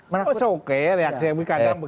reaksi yang lebih kadang begitu